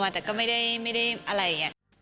แต่ก็ไม่ได้อะไรอย่างนี้